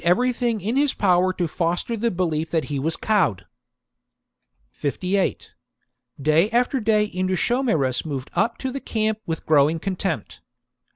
everything in his power to foster the belief that he was cowed. 58. Day after day Indutiomarus moved up to the camp with growing contempt.